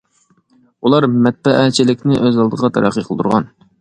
ئۇلار مەتبەئەچىلىكنى ئۆز ئالدىغا تەرەققىي قىلدۇرغان.